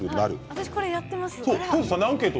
私、これやっています。